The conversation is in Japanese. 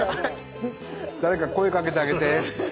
誰か声かけてあげて。